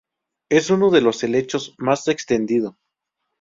Es uno de los helechos más extendido.